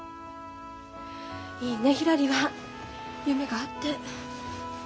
いいねひらりは夢があって。